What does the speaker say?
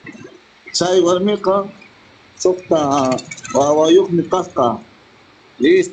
Chay warmiqa suqta wawayuqmi kasqa.